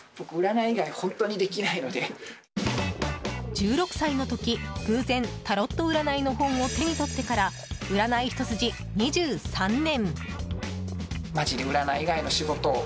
１６歳の時偶然、タロット占いの本を手に取ってから占いひと筋２３年。